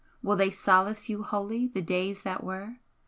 Will they solace you wholly, the days that were?